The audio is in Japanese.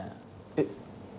えっ。